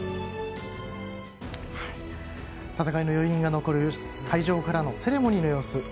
戦いの余韻が残る会場からのセレモニーの様子